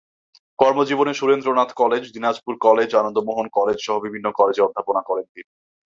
কর্মজীবনে Surendranath college, Dinajpur college, Anandamohan কলেজসহ বিভিন্ন কলেজে অধ্যাপনা করেন তিনি।